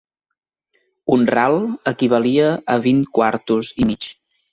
Un ral equivalia a vuit quartos i mig.